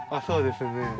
そうですね。